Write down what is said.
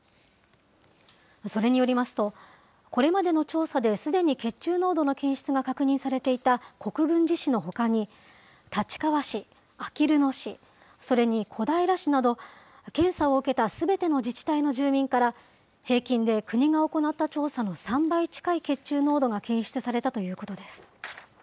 それによりますと、これまでの調査ですでに血中濃度の検出が確認されていた国分寺市のほかに、立川市、あきる野市、それに小平市など、検査を受けたすべての自治体の住民から、平均で国が行った調査の３倍近い血中濃度が検出されたということです。